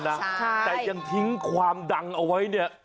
แต่ยังทิ้งความดังเอาไว้เนี่ย